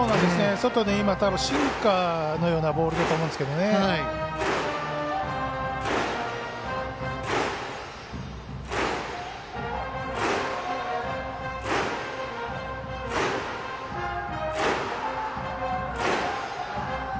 外に今、シンカーのようなボールだと思うんですけどね。